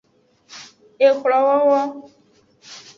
Exlonwowo.